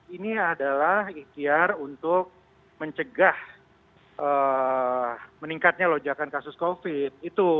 ini adalah ikhtiar untuk mencegah meningkatnya lonjakan kasus covid